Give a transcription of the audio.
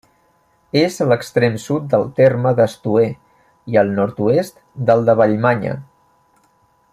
És a l'extrem sud del terme d'Estoer i al nord-oest del de Vallmanya.